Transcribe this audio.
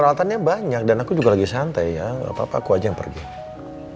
mau lakukan obat atau klien akan bisa jemput kerja marsial